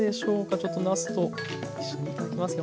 ちょっとなすと一緒に頂きますよ。